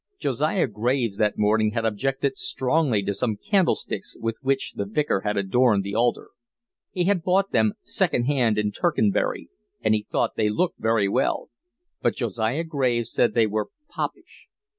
Josiah Graves that morning had objected strongly to some candlesticks with which the Vicar had adorned the altar. He had bought them second hand in Tercanbury, and he thought they looked very well. But Josiah Graves said they were popish.